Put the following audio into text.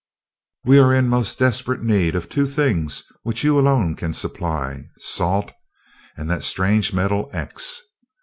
We are in most desperate need of two things which you alone can supply salt, and that strange metal, 'X'.